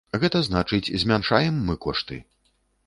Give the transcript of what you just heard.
Гэта значыць, змяншаем мы кошты.